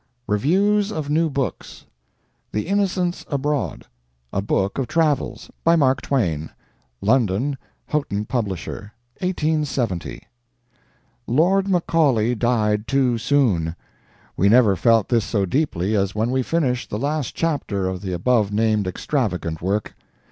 REVIEWS OF NEW BOOKS The Innocents Abroad. A Book of Travels. By Mark Twain. London: Hotten, publisher. 1870. Lord Macaulay died too soon. We never felt this so deeply as when we finished the last chapter of the above named extravagant work.